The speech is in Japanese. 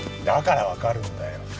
だからわかるんだよ。